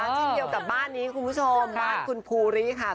เช่นเดียวกับบ้านนี้คุณผู้ชมบ้านคุณภูริค่ะ